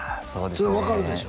それ分かるでしょ？